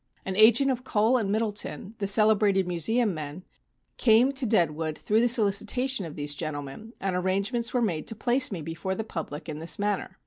An agent of Kohl and Middleton, the celebrated museum men, came to Deadwood through the solicitation of these gentlemen, and arrangements were made to place me before the public in this manner.